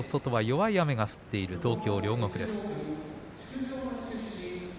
弱い雨が降っている東京・両国です。